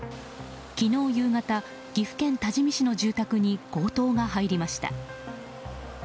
昨日夕方、岐阜県多治見市の住宅に強盗が入りました。